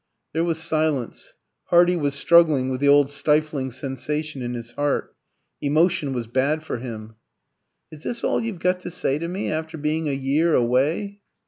There was silence. Hardy was struggling with the old stifling sensation in his heart. Emotion was bad for him. "Is this all you've got to say to me, after being a year away?"